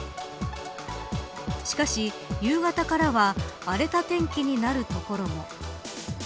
しかし、夕方からは荒れた天気になる所も。